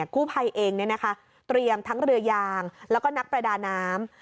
กู้ภัยเองเตรียมทั้งเรือยางแล้วก็นักประดาน้ำ